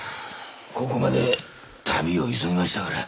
ここまで旅を急ぎましたから。